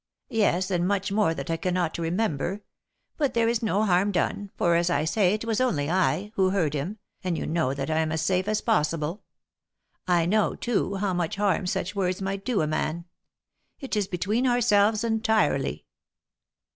^^Yes, and much more that I cannot remember. But there is no harm done, for, as I say, it was only I, who heard him, and you know that I am as safe as possible. I know, too, how much harm such words might do a man. It is between ourselves entirely."